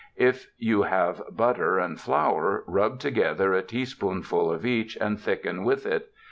If you have butter and flour, rub together a teaspoonful of each and thicken with it.